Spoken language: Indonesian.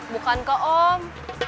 bukan ke om